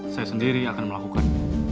saya sendiri akan melakukan